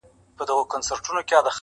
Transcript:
رمې دي د هغه وې اې شپنې د فريادي وې.